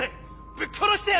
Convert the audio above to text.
ぶっ殺してやる！